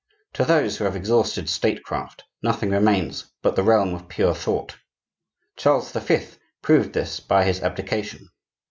To those who have exhausted statecraft, nothing remains but the realm of pure thought. Charles the Fifth proved this by his abdication.